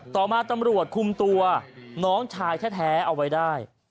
ต่อมาตำรวจคุมตัวน้องชายแท้เอาไว้ได้